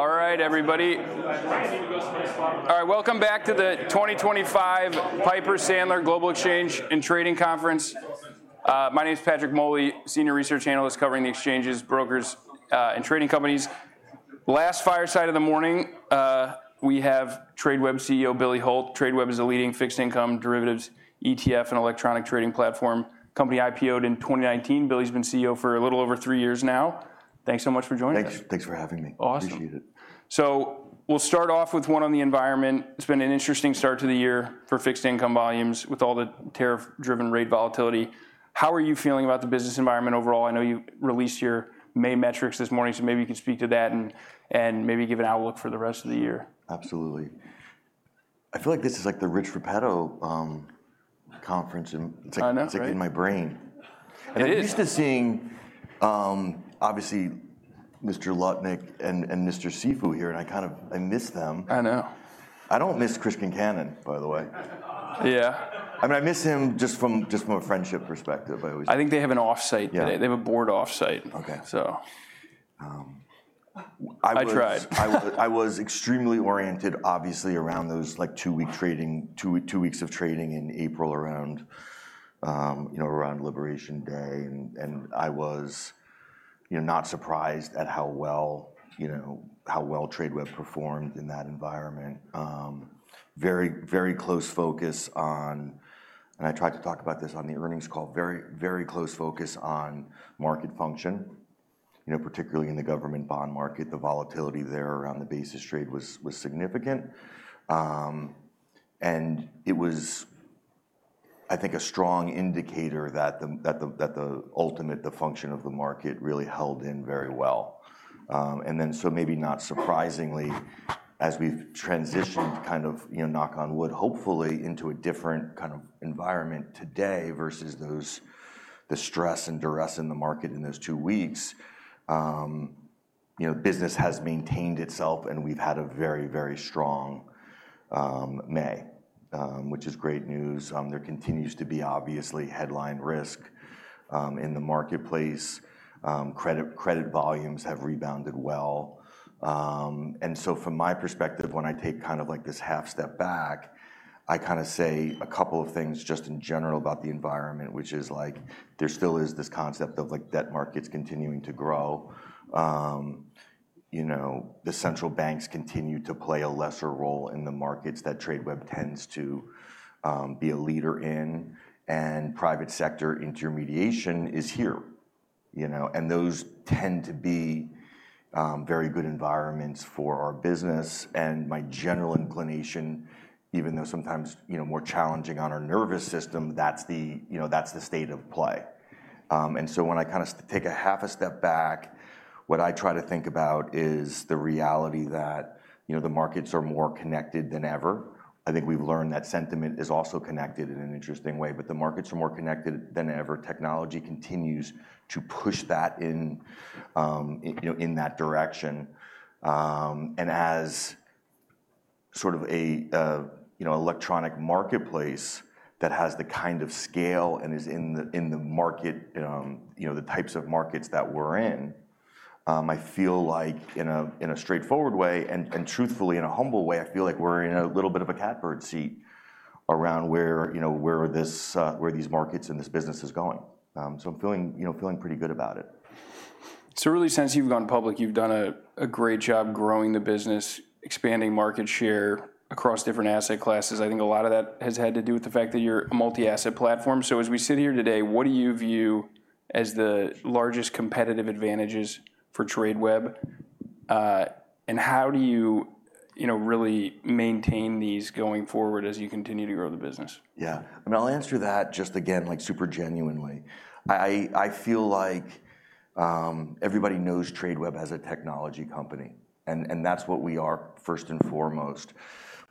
All right, everybody. All right, welcome back to the 2025 Piper Sandler Global Exchange and Trading Conference. My name is Patrick Moley, Senior Research Analyst covering the exchanges, brokers, and trading companies. Last fireside of the morning, we have Tradeweb CEO Billy Hult. Tradeweb is a leading fixed income derivatives ETF and electronic trading platform. Company IPO'd in 2019. Billy's been CEO for a little over three years now. Thanks so much for joining us. Thanks for having me. Awesome. Appreciate it. We'll start off with one on the environment. It's been an interesting start to the year for fixed income volumes with all the tariff-driven rate volatility. How are you feeling about the business environment overall? I know you released your May metrics this morning, so maybe you can speak to that and maybe give an outlook for the rest of the year. Absolutely. I feel like this is like the Rich Repetto Conference. I know. It's like in my brain. It is. I'm used to seeing, obviously, Mr. Lutnick and Mr. Sifu here, and I kind of miss them. I know. I don't miss Chris Concannon, by the way. Yeah. I mean, I miss him just from a friendship perspective. I think they have an offsite. They have a board offsite. Okay. So. I tried. I was extremely oriented, obviously, around those two-week trading, two weeks of trading in April around Liberation Day. I was not surprised at how well Tradeweb performed in that environment. Very, very close focus on, and I tried to talk about this on the earnings call, very, very close focus on market function, particularly in the government bond market. The volatility there around the basis trade was significant. It was, I think, a strong indicator that the ultimate, the function of the market really held in very well. Maybe not surprisingly, as we've transitioned, kind of knock on wood, hopefully, into a different kind of environment today versus the stress and duress in the market in those two weeks, business has maintained itself, and we've had a very, very strong May, which is great news. There continues to be, obviously, headline risk in the marketplace. Credit volumes have rebounded well. From my perspective, when I take kind of like this half step back, I kind of say a couple of things just in general about the environment, which is like there still is this concept of debt markets continuing to grow. The central banks continue to play a lesser role in the markets that Tradeweb tends to be a leader in, and private sector intermediation is here. Those tend to be very good environments for our business. My general inclination, even though sometimes more challenging on our nervous system, that's the state of play. When I kind of take a half a step back, what I try to think about is the reality that the markets are more connected than ever. I think we've learned that sentiment is also connected in an interesting way, but the markets are more connected than ever. Technology continues to push that in that direction. As sort of an electronic marketplace that has the kind of scale and is in the market, the types of markets that we're in, I feel like in a straightforward way and truthfully in a humble way, I feel like we're in a little bit of a catbird seat around where these markets and this business is going. I'm feeling pretty good about it. Really, since you've gone public, you've done a great job growing the business, expanding market share across different asset classes. I think a lot of that has had to do with the fact that you're a multi-asset platform. As we sit here today, what do you view as the largest competitive advantages for Tradeweb? How do you really maintain these going forward as you continue to grow the business? Yeah. I mean, I'll answer that just again, like super genuinely. I feel like everybody knows Tradeweb as a technology company. And that's what we are first and foremost.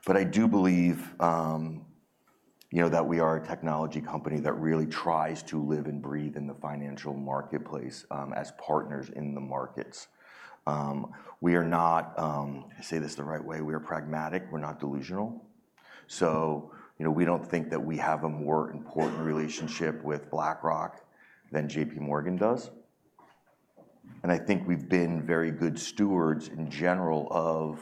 I do believe that we are a technology company that really tries to live and breathe in the financial marketplace as partners in the markets. We are not, say this the right way, we are pragmatic. We're not delusional. We don't think that we have a more important relationship with BlackRock than JP Morgan does. I think we've been very good stewards in general of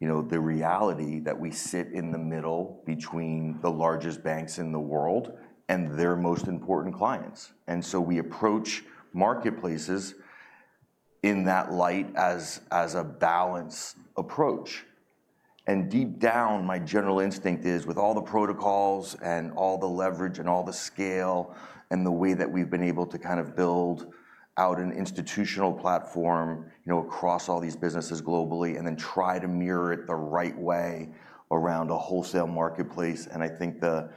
the reality that we sit in the middle between the largest banks in the world and their most important clients. We approach marketplaces in that light as a balanced approach. Deep down, my general instinct is with all the protocols and all the leverage and all the scale and the way that we have been able to kind of build out an institutional platform across all these businesses globally and then try to mirror it the right way around a wholesale marketplace. I think the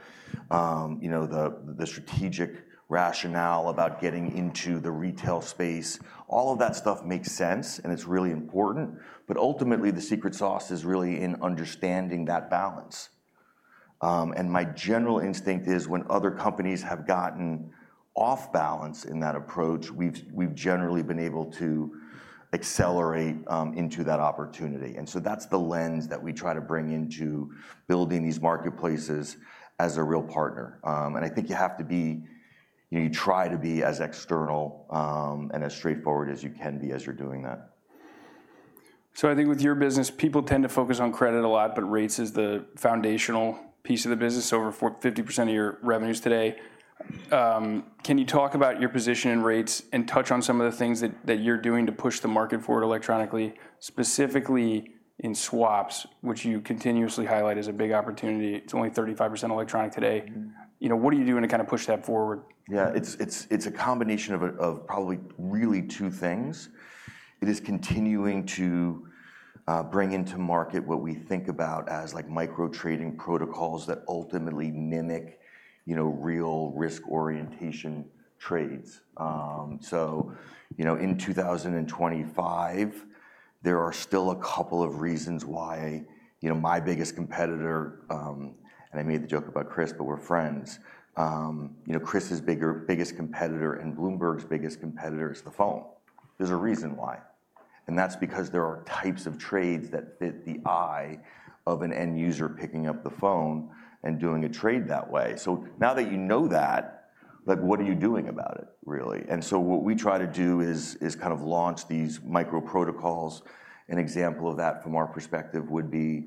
strategic rationale about getting into the retail space, all of that stuff makes sense and it is really important. Ultimately, the secret sauce is really in understanding that balance. My general instinct is when other companies have gotten off balance in that approach, we have generally been able to accelerate into that opportunity. That is the lens that we try to bring into building these marketplaces as a real partner. I think you have to be, you try to be as external and as straightforward as you can be as you're doing that. I think with your business, people tend to focus on credit a lot, but rates is the foundational piece of the business, over 50% of your revenues today. Can you talk about your position in rates and touch on some of the things that you're doing to push the market forward electronically, specifically in swaps, which you continuously highlight as a big opportunity? It's only 35% electronic today. What are you doing to kind of push that forward? Yeah, it's a combination of probably really two things. It is continuing to bring into market what we think about as micro trading protocols that ultimately mimic real risk orientation trades. In 2025, there are still a couple of reasons why my biggest competitor, and I made the joke about Chris, but we're friends. Chris's biggest competitor and Bloomberg's biggest competitor is the phone. There's a reason why. That's because there are types of trades that fit the eye of an end user picking up the phone and doing a trade that way. Now that you know that, what are you doing about it, really? What we try to do is kind of launch these micro protocols. An example of that from our perspective would be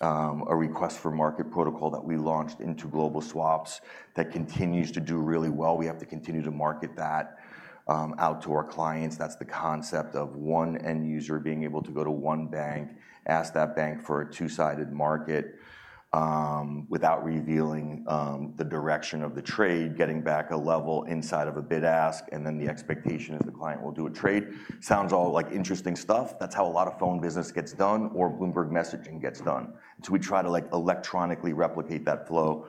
a request for market protocol that we launched into global swaps that continues to do really well. We have to continue to market that out to our clients. That's the concept of one end user being able to go to one bank, ask that bank for a two-sided market without revealing the direction of the trade, getting back a level inside of a bid-ask, and then the expectation is the client will do a trade. Sounds all like interesting stuff. That's how a lot of phone business gets done or Bloomberg messaging gets done. We try to electronically replicate that flow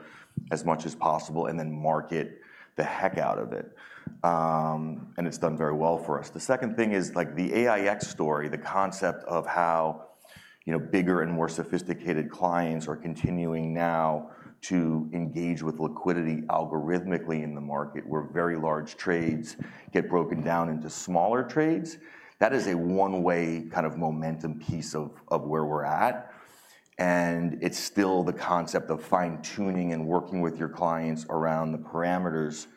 as much as possible and then market the heck out of it. It's done very well for us. The second thing is the AIEX story, the concept of how bigger and more sophisticated clients are continuing now to engage with liquidity algorithmically in the market where very large trades get broken down into smaller trades. That is a one-way kind of momentum piece of where we're at. It is still the concept of fine-tuning and working with your clients around the parameters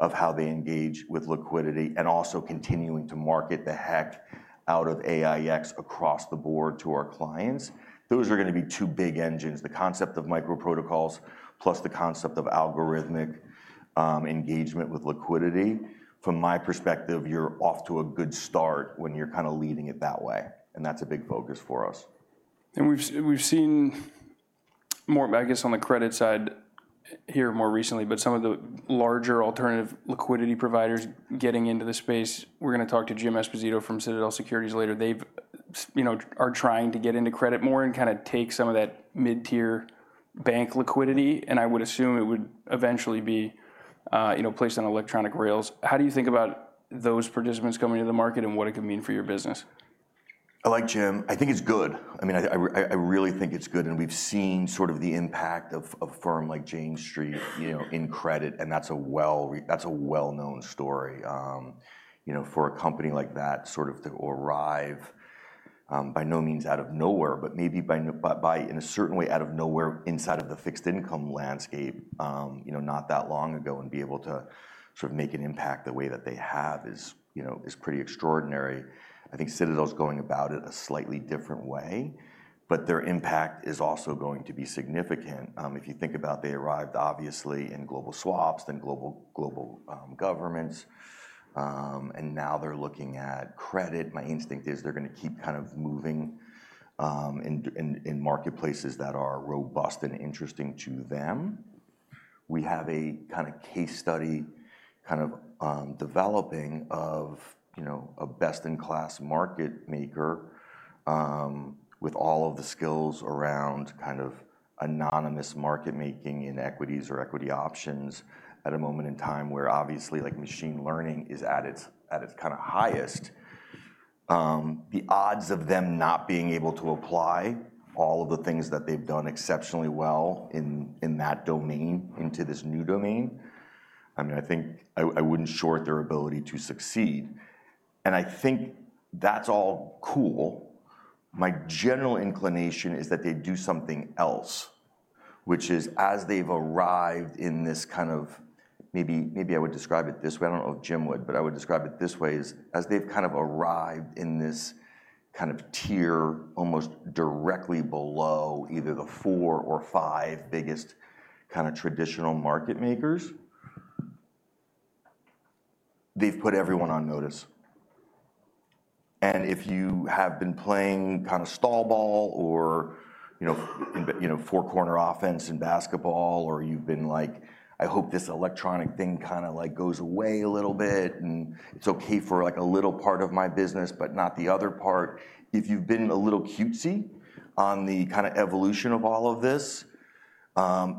of how they engage with liquidity and also continuing to market the heck out of AIEX across the board to our clients. Those are going to be two big engines, the concept of micro protocols plus the concept of algorithmic engagement with liquidity. From my perspective, you're off to a good start when you're kind of leading it that way. That is a big focus for us. We've seen more, I guess, on the credit side here more recently, but some of the larger alternative liquidity providers getting into the space. We're going to talk to Jim Esposito from Citadel Securities later. They are trying to get into credit more and kind of take some of that mid-tier bank liquidity. I would assume it would eventually be placed on electronic rails. How do you think about those participants coming to the market and what it could mean for your business? I like Jim. I think it's good. I mean, I really think it's good. We've seen sort of the impact of a firm like Jane Street in credit. That's a well-known story for a company like that to arrive by no means out of nowhere, but maybe by, in a certain way, out of nowhere inside of the fixed income landscape not that long ago and be able to sort of make an impact the way that they have is pretty extraordinary. I think Citadel's going about it a slightly different way, but their impact is also going to be significant. If you think about it, they arrived, obviously, in global swaps and global governments. Now they're looking at credit. My instinct is they're going to keep kind of moving in marketplaces that are robust and interesting to them. We have a kind of case study kind of developing of a best-in-class market maker with all of the skills around kind of anonymous market making in equities or equity options at a moment in time where, obviously, machine learning is at its kind of highest. The odds of them not being able to apply all of the things that they've done exceptionally well in that domain into this new domain, I mean, I think I wouldn't short their ability to succeed. I think that's all cool. My general inclination is that they do something else, which is as they've arrived in this kind of maybe I would describe it this way. I don't know if Jim would, but I would describe it this way is as they've kind of arrived in this kind of tier almost directly below either the four or five biggest kind of traditional market makers, they've put everyone on notice. If you have been playing kind of stall ball or four-corner offense in basketball, or you've been like, "I hope this electronic thing kind of goes away a little bit, and it's okay for a little part of my business, but not the other part," if you've been a little cutesy on the kind of evolution of all of this,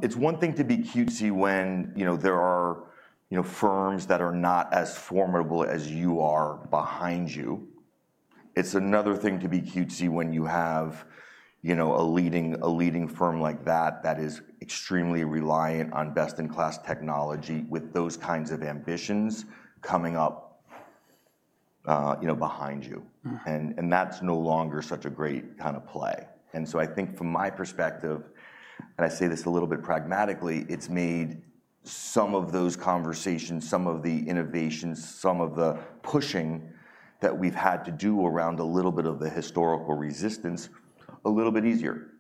it's one thing to be cutesy when there are firms that are not as formidable as you are behind you. It's another thing to be cutesy when you have a leading firm like that that is extremely reliant on best-in-class technology with those kinds of ambitions coming up behind you. That's no longer such a great kind of play. I think from my perspective, and I say this a little bit pragmatically, it's made some of those conversations, some of the innovations, some of the pushing that we've had to do around a little bit of the historical resistance a little bit easier.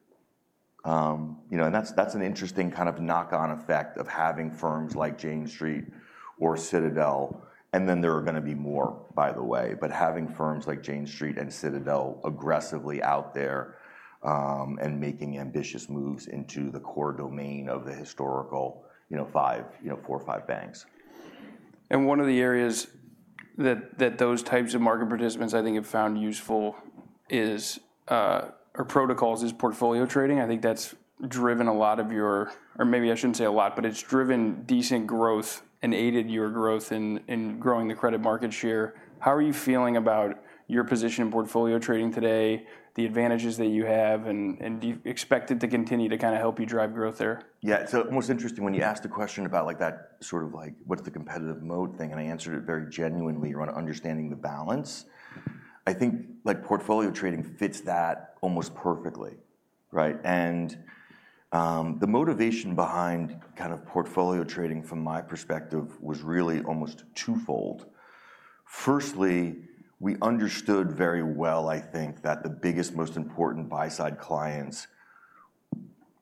That's an interesting kind of knock-on effect of having firms like Jane Street or Citadel. There are going to be more, by the way, but having firms like Jane Street and Citadel aggressively out there and making ambitious moves into the core domain of the historical four or five banks. One of the areas that those types of market participants I think have found useful is, or protocols is portfolio trading. I think that's driven a lot of your, or maybe I shouldn't say a lot, but it's driven decent growth and aided your growth in growing the credit market share. How are you feeling about your position in portfolio trading today, the advantages that you have, and do you expect it to continue to kind of help you drive growth there? Yeah. Most interesting when you asked the question about that sort of like, "What's the competitive moat thing?" I answered it very genuinely around understanding the balance. I think portfolio trading fits that almost perfectly. The motivation behind kind of portfolio trading from my perspective was really almost twofold. Firstly, we understood very well, I think, that the biggest, most important buy-side clients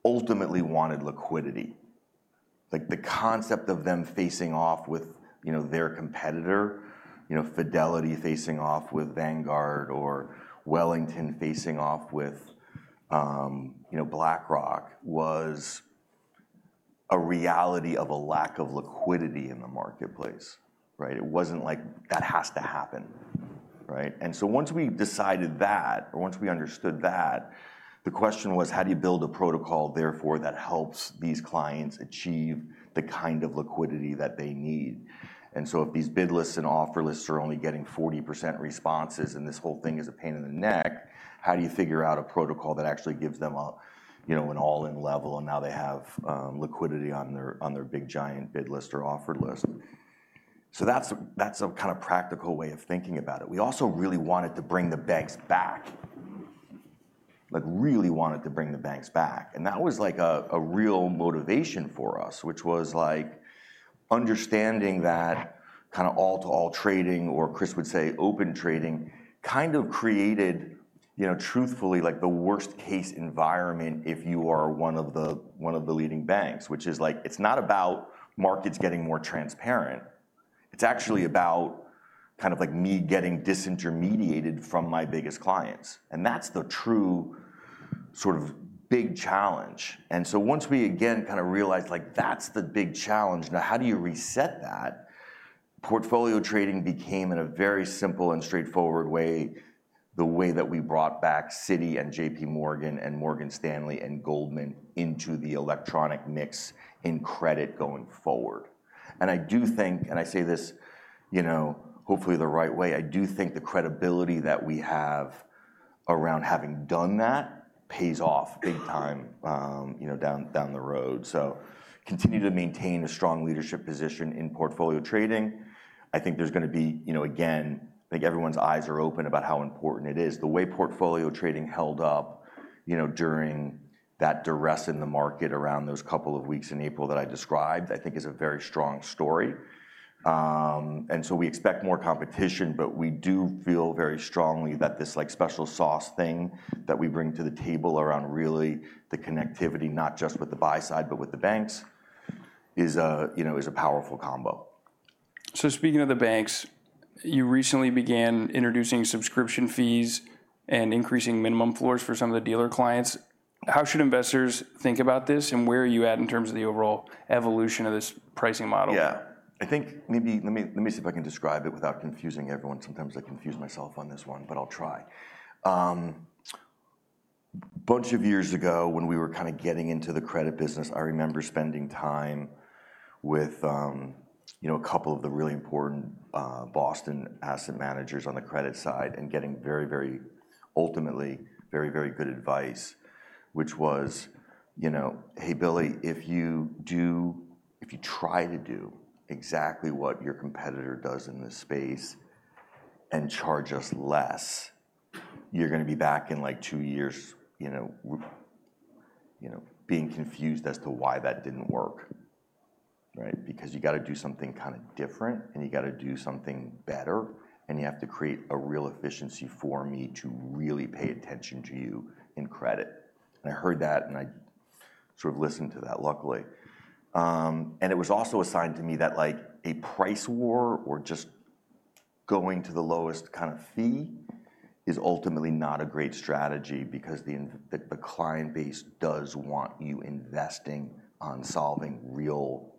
ultimately wanted liquidity. The concept of them facing off with their competitor, Fidelity facing off with Vanguard or Wellington facing off with BlackRock, was a reality of a lack of liquidity in the marketplace. It wasn't like, "That has to happen." Once we decided that, or once we understood that, the question was, "How do you build a protocol therefore that helps these clients achieve the kind of liquidity that they need?" If these bid-lists and offer-lists are only getting 40% responses and this whole thing is a pain in the neck, how do you figure out a protocol that actually gives them an all-in level and now they have liquidity on their big giant bid-list or offer-list? That is a kind of practical way of thinking about it. We also really wanted to bring the banks back, really wanted to bring the banks back. That was like a real motivation for us, which was like understanding that kind of all-to-all trading, or Chris would say open trading, kind of created truthfully the worst-case environment if you are one of the leading banks, which is like it's not about markets getting more transparent. It's actually about kind of like me getting disintermediated from my biggest clients. That's the true sort of big challenge. Once we again kind of realized that's the big challenge, now how do you reset that? Portfolio trading became in a very simple and straightforward way the way that we brought back Citi and J.P. Morgan and Morgan Stanley and Goldman Sachs into the electronic mix in credit going forward. I do think, and I say this hopefully the right way, I do think the credibility that we have around having done that pays off big time down the road. Continue to maintain a strong leadership position in portfolio trading. I think there's going to be, again, I think everyone's eyes are open about how important it is. The way portfolio trading held up during that duress in the market around those couple of weeks in April that I described, I think is a very strong story. We expect more competition, but we do feel very strongly that this special sauce thing that we bring to the table around really the connectivity, not just with the buy-side, but with the banks is a powerful combo. Speaking of the banks, you recently began introducing subscription fees and increasing minimum floors for some of the dealer clients. How should investors think about this and where are you at in terms of the overall evolution of this pricing model? Yeah. I think maybe let me see if I can describe it without confusing everyone. Sometimes I confuse myself on this one, but I'll try. A bunch of years ago when we were kind of getting into the credit business, I remember spending time with a couple of the really important Boston asset managers on the credit side and getting very, very ultimately very, very good advice, which was, "Hey, Billy, if you try to do exactly what your competitor does in this space and charge us less, you're going to be back in like two years being confused as to why that didn't work." Because you got to do something kind of different and you got to do something better and you have to create a real efficiency for me to really pay attention to you in credit. I heard that and I sort of listened to that, luckily. It was also assigned to me that a price war or just going to the lowest kind of fee is ultimately not a great strategy because the client base does want you investing on solving real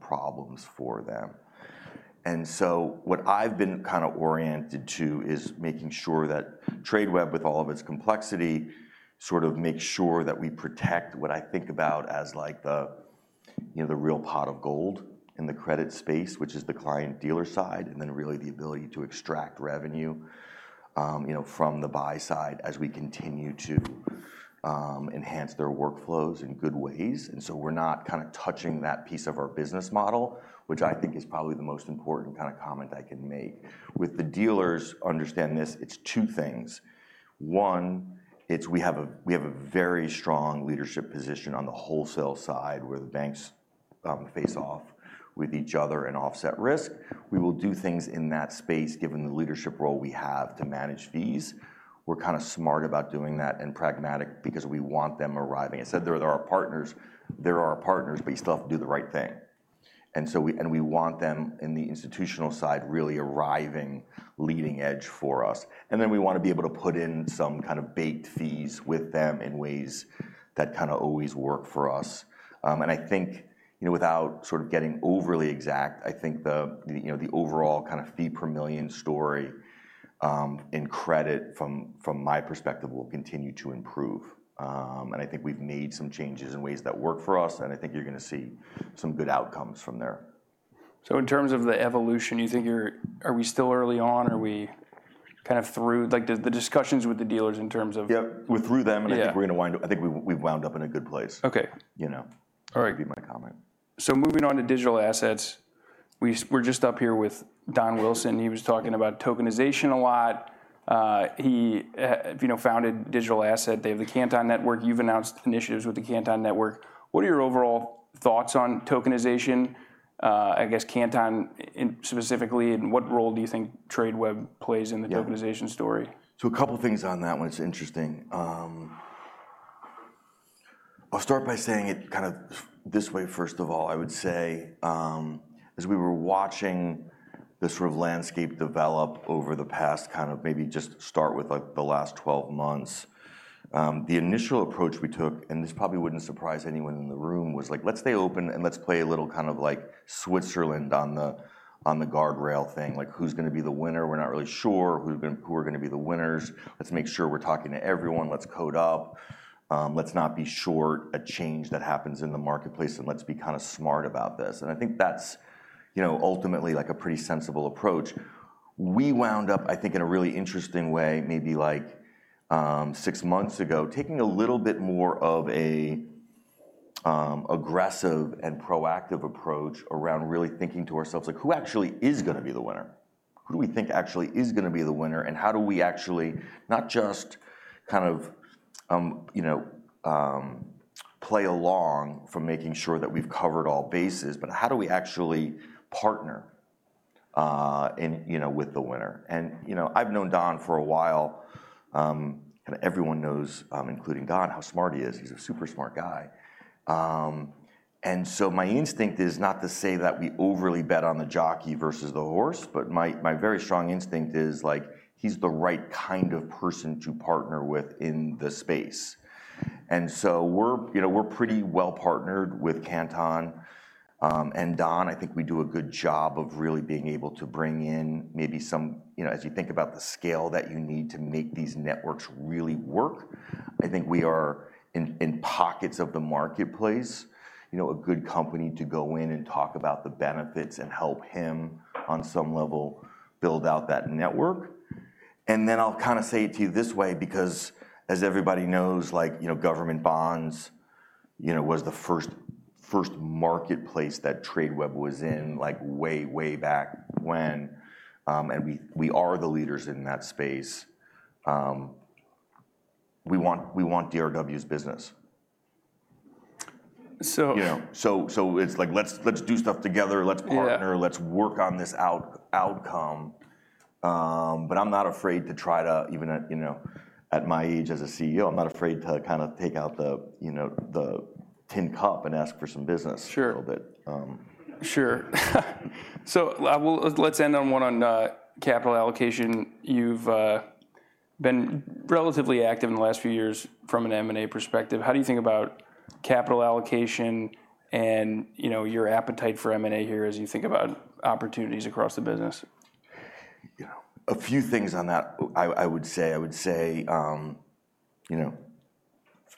problems for them. What I have been kind of oriented to is making sure that Tradeweb, with all of its complexity, sort of makes sure that we protect what I think about as the real pot of gold in the credit space, which is the client-dealer side, and then really the ability to extract revenue from the buy-side as we continue to enhance their workflows in good ways. We are not kind of touching that piece of our business model, which I think is probably the most important kind of comment I can make. With the dealers, understand this, it's two things. One, we have a very strong leadership position on the wholesale side where the banks face off with each other and offset risk. We will do things in that space given the leadership role we have to manage fees. We're kind of smart about doing that and pragmatic because we want them arriving. I said they are partners. They are partners, but you still have to do the right thing. We want them in the institutional side really arriving leading edge for us. We want to be able to put in some kind of baked fees with them in ways that kind of always work for us. I think without sort of getting overly exact, I think the overall kind of fee-per-million story in credit from my perspective will continue to improve. I think we've made some changes in ways that work for us, and I think you're going to see some good outcomes from there. In terms of the evolution, you think you're, are we still early on? Are we kind of through the discussions with the dealers in terms of? Yeah. We're through them, and I think we're going to wind up—I think we've wound up in a good place. Okay. That would be my comment. Moving on to digital assets, we're just up here with Don Wilson. He was talking about tokenization a lot. He founded Digital Asset. They have the Canton Network. You've announced initiatives with the Canton Network. What are your overall thoughts on tokenization, I guess, Canton specifically, and what role do you think Tradeweb plays in the tokenization story? A couple of things on that one. It's interesting. I'll start by saying it kind of this way, first of all. I would say as we were watching the sort of landscape develop over the past kind of maybe just start with the last 12 months, the initial approach we took, and this probably wouldn't surprise anyone in the room, was like, "Let's stay open and let's play a little kind of like Switzerland on the guardrail thing. Who's going to be the winner? We're not really sure who are going to be the winners. Let's make sure we're talking to everyone. Let's code up. Let's not be short a change that happens in the marketplace, and let's be kind of smart about this." I think that's ultimately like a pretty sensible approach. We wound up, I think, in a really interesting way, maybe like six months ago, taking a little bit more of an aggressive and proactive approach around really thinking to ourselves, "Who actually is going to be the winner? Who do we think actually is going to be the winner? And how do we actually not just kind of play along from making sure that we've covered all bases, but how do we actually partner with the winner?" I've known Don for a while. Everyone knows, including Don, how smart he is. He's a super smart guy. My instinct is not to say that we overly bet on the jockey versus the horse, but my very strong instinct is he's the right kind of person to partner with in the space. We're pretty well partnered with canton. Don, I think we do a good job of really being able to bring in maybe some, as you think about the scale that you need to make these networks really work, I think we are in pockets of the marketplace, a good company to go in and talk about the benefits and help him on some level build out that network. I'll kind of say it to you this way because as everybody knows, government bonds was the first marketplace that Tradeweb was in way, way back when, and we are the leaders in that space. We want DRW's business. It's like, "Let's do stuff together. Let's partner. Let's work on this outcome. I'm not afraid to try to, even at my age as a CEO, I'm not afraid to kind of take out the tin cup and ask for some business a little bit. Sure. Sure. Let's end on one on capital allocation. You've been relatively active in the last few years from an M&A perspective. How do you think about capital allocation and your appetite for M&A here as you think about opportunities across the business? A few things on that, I would say. I would say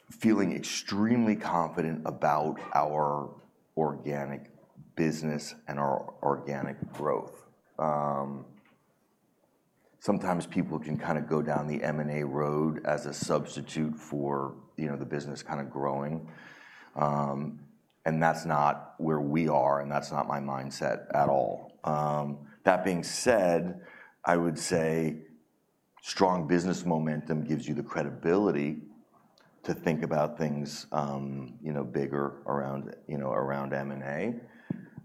feeling extremely confident about our organic business and our organic growth. Sometimes people can kind of go down the M&A road as a substitute for the business kind of growing. That is not where we are, and that is not my mindset at all. That being said, I would say strong business momentum gives you the credibility to think about things bigger around M&A.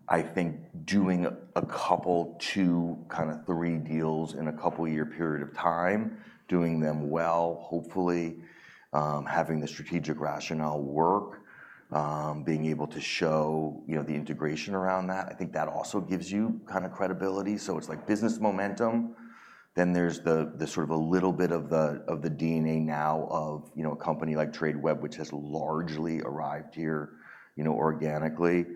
I think doing a couple to kind of three deals in a couple-year period of time, doing them well, hopefully having the strategic rationale work, being able to show the integration around that, I think that also gives you kind of credibility. It is like business momentum. There is the sort of a little bit of the DNA now of a company like Tradeweb, which has largely arrived here organically,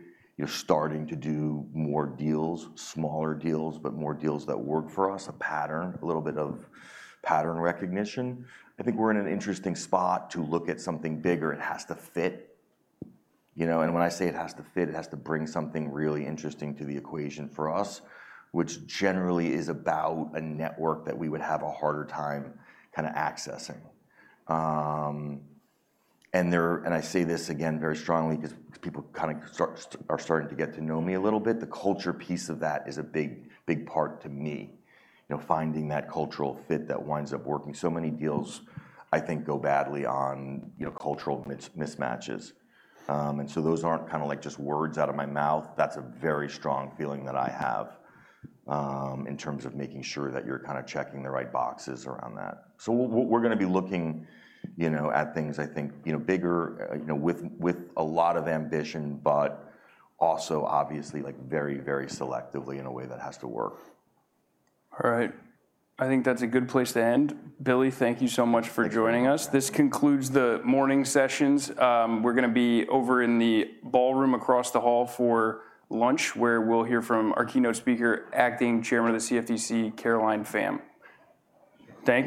starting to do more deals, smaller deals, but more deals that work for us, a pattern, a little bit of pattern recognition. I think we're in an interesting spot to look at something bigger. It has to fit. When I say it has to fit, it has to bring something really interesting to the equation for us, which generally is about a network that we would have a harder time kind of accessing. I say this again very strongly because people kind of are starting to get to know me a little bit. The culture piece of that is a big part to me, finding that cultural fit that winds up working. So many deals, I think, go badly on cultural mismatches. Those are not kind of like just words out of my mouth. That is a very strong feeling that I have in terms of making sure that you are kind of checking the right boxes around that. We are going to be looking at things, I think, bigger with a lot of ambition, but also obviously very, very selectively in a way that has to work. All right. I think that's a good place to end. Billy, thank you so much for joining us. This concludes the morning sessions. We're going to be over in the ballroom across the hall for lunch, where we'll hear from our keynote speaker, Acting Chairman of the CFTC, Caroline Pham. Thank you.